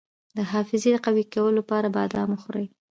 د حافظې د قوي کیدو لپاره بادام وخورئ